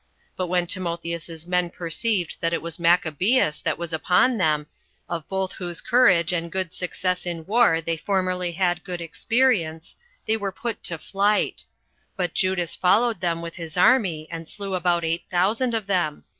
But when Timotheus's men perceived that it was Maccabeus that was upon them, of both whose courage and good success in war they had formerly had sufficient experience, they were put to flight; but Judas followed them with his army, and slew about eight thousand of them.